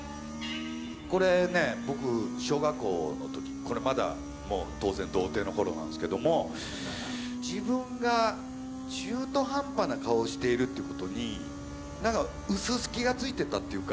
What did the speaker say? これね僕小学校の時これまだもう当然童貞の頃なんですけども自分が中途半端な顔をしているっていうことになんかうすうす気が付いてたっていうか。